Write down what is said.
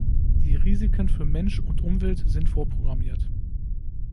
Die Risiken für Mensch und Umwelt sind vorprogrammiert.